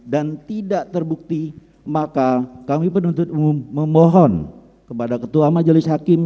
dan tidak terbukti maka kami penuntut umum memohon kepada ketua majelis hakim